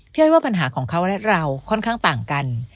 อ้อยว่าปัญหาของเขาและเราค่อนข้างต่างกัน